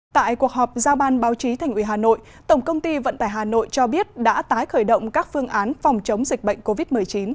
tại cuộc họp giao ban báo chí thành ủy hà nội tổng công ty vận tải hà nội cho biết đã tái khởi động các phương án phòng chống dịch bệnh covid một mươi chín